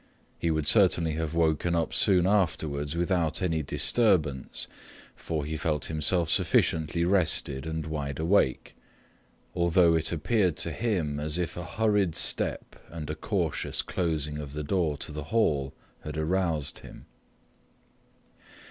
He would certainly have woken up soon afterwards without any disturbance, for he felt himself sufficiently rested and wide awake, although it appeared to him as if a hurried step and a cautious closing of the door to the hall had aroused him.